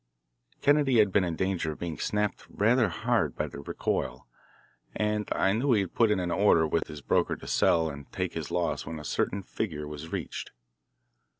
Kennedy had been in danger of being snapped rather hard by the recoil, and I knew he had put in an order with his broker to sell and take his loss when a certain figure was reached.